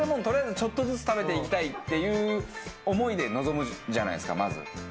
とりあえずちょっとずつ食べていきたいっていう思いで臨むじゃないですかまず。